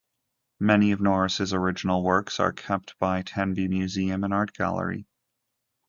Many of Norris' original works are kept by Tenby Museum and Art Gallery.